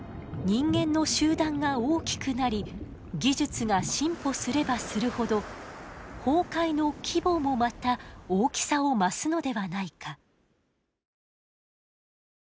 人間の集団が大きくなり技術が進歩すればするほど崩壊の規模もまた大きさを増すのではないか。